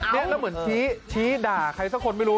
แล้วเหมือนชี้ด่าใครสักคนไม่รู้